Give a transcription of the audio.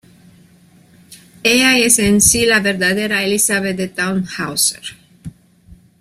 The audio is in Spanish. Ella es en sí la verdadera Elisabeth de Tannhäuser.